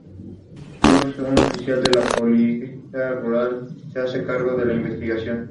La iglesia se puede visitar de martes a domingos.